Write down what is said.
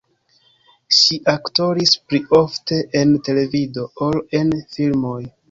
Ŝi aktoris pli ofte en televido ol en filmoj.